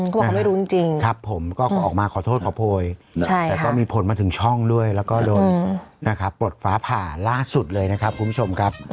เขาบอกเขาไม่รู้จริงครับผมก็ออกมาขอโทษขอโพยแต่ก็มีผลมาถึงช่องด้วยแล้วก็โดนนะครับปลดฟ้าผ่าล่าสุดเลยนะครับคุณผู้ชมครับ